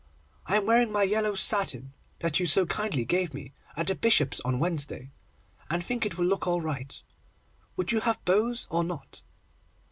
I am wearing my yellow satin, that you so kindly gave me, at the Bishop's on Wednesday, and think it will look all right. Would you have bows or not?